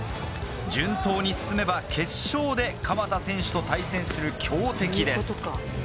順当に進めば決勝で鎌田選手と対戦する強敵です。